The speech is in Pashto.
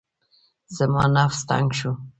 زما نفس تنګ شو.